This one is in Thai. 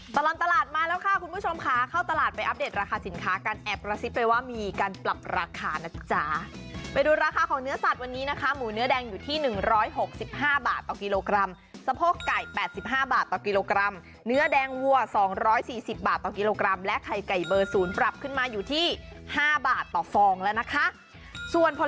ตลอดตลาดมาแล้วค่ะคุณผู้ชมค่ะเข้าตลาดไปอัปเดตราคาสินค้ากันแอบกระซิบไปว่ามีการปรับราคานะจ๊ะไปดูราคาของเนื้อสัตว์วันนี้นะคะหมูเนื้อแดงอยู่ที่๑๖๕บาทต่อกิโลกรัมสะโพกไก่๘๕บาทต่อกิโลกรัมเนื้อแดงวัว๒๔๐บาทต่อกิโลกรัมและไข่ไก่เบอร์๐ปรับขึ้นมาอยู่ที่๕บาทต่อฟองแล้วนะคะส่วนพล